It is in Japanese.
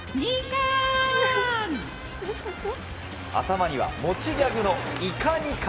頭には持ちギャグのイカ２貫。